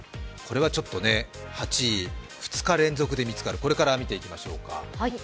８位、２日連続で見つかる、これから見ていきましょうか。